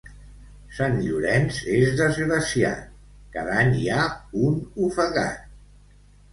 Sant Llorenç és desgraciat: cada any hi ha un ofegat.